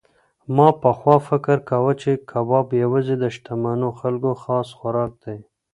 ما پخوا فکر کاوه چې کباب یوازې د شتمنو خلکو خاص خوراک دی.